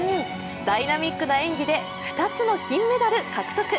ダイナミックの演技で２つの金メダル獲得。